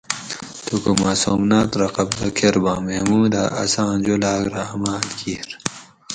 تھوکو مہ سومنات رہ قبضہ کۤرباۤں محمود اۤ اساۤں جولاۤگ رہ عمال کِیر